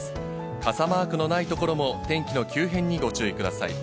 傘マークのないところも天気の急変にご注意ください。